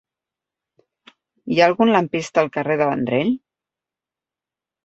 Hi ha algun lampista al carrer de Vendrell?